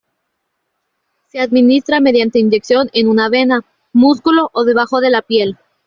Se administra mediante inyección en una vena, músculo o debajo de la piel.